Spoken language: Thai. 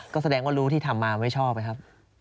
ก็แสดงว่ารู้ที่ทำมาไม่ชอบนะครับ